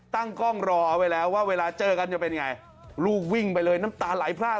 ตั้งกล้องรอเอาไว้แล้วว่าเวลาเจอกันจะเป็นยังไงลูกวิ่งไปเลยน้ำตาไหลพลาด